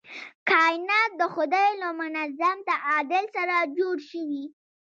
کائنات د خدای له منظم تعادل سره جوړ شوي.